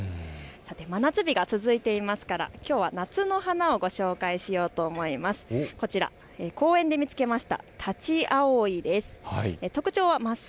真夏日が続いていますからきょうは夏の花をご紹介しようと思います。